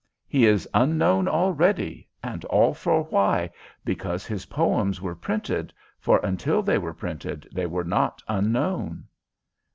He is unknown already, and all for why? Because his poems were printed, for until they were printed they were not unknown."